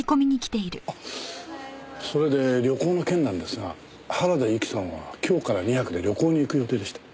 それで旅行の件なんですが原田由紀さんは今日から２泊で旅行に行く予定でした。